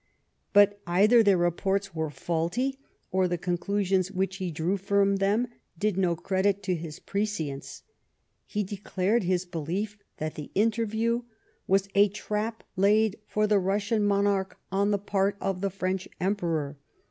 But, either their reports were faulty, or the conclusions which he drew from them did no credit to his prescience. He de clared his belief that the interview was " a trap laid for the Russian monarch on the part of the French Emperor."